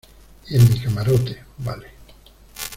en mi camarote. vale .